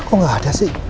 kok gak ada sih